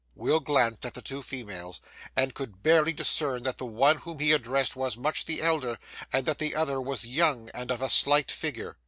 Will glanced at the two females, and could barely discern that the one whom he addressed was much the elder, and that the other was young and of a slight figure.